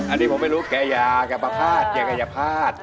อันนี้ผมไม่รู้แกยาแกประพาทแกกายภาษณ์